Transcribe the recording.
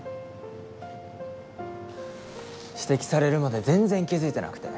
指摘されるまで全然気付いてなくて。